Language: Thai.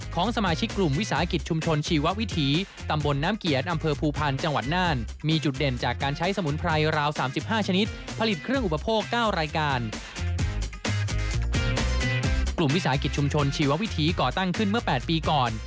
วิสาหกิจชุมชนชีววิถีก่อตั้งขึ้นเมื่อ๘ปีก่อน